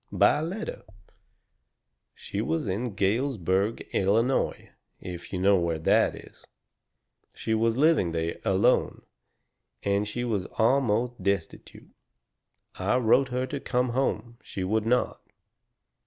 "By letter. She was in Galesburg, Illinois, if you know where that is. She was living there alone. And she was almost destitute. I wrote her to come home. She would not.